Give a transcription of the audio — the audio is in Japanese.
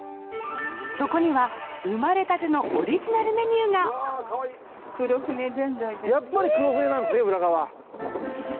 そこには生まれたてのオリジナルメニューがやっぱり黒船なんすね浦賀は。えっ！